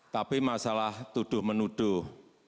tapi masalah tuduh menuduh